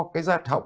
cái da thọng